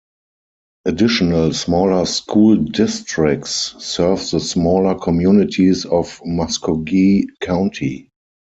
Additional smaller school districts serve the smaller communities of Muskogee County.